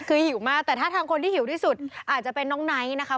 คือหิวมากแต่ถ้าทางคนที่หิวที่สุดอาจจะเป็นน้องไนท์นะคะ